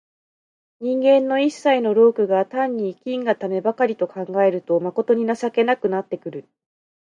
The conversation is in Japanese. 人間の一切の労苦が単に生きんがためばかりと考えると、まことに情けなくなってくる。